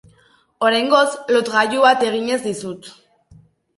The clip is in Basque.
Oraingoz lotgailu bat eginen dizut.